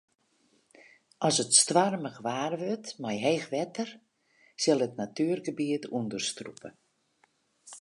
As it stoarmich waar wurdt mei heech wetter sil it natuergebiet ûnderstrûpe.